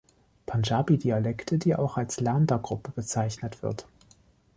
Panjabi-Dialekte, die auch als Lahnda-Gruppe bezeichnet wird.